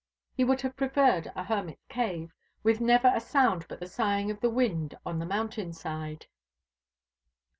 He would have preferred a hermit's cave, with never a sound but the sighing of the wind on the mountain side.